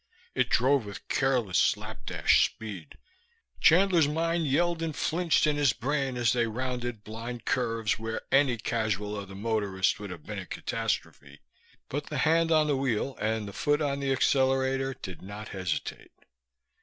It drove with careless slapdash speed. Chandler's mind yelled and flinched in his brain as they rounded blind curves, where any casual other motorist would have been a catastrophe; but the hand on the wheel and the foot on the accelerator did not hesitate.